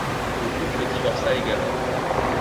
Le couple divorça également.